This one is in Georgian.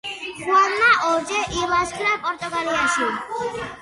ხუანმა ორჯერ ილაშქრა პორტუგალიაში.